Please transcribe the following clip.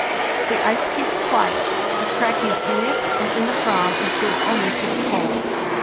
The ice keeps quiet; the cracking in it and in the Ayam is due only to the cold.